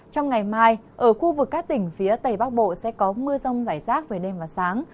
trong ngày mai ở khu vực các tỉnh phía tây bắc bộ sẽ có mưa rông rải rác về đêm và sáng